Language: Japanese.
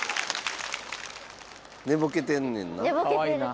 寝ぼけてんねんな。